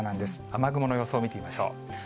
雨雲の予想を見てみましょう。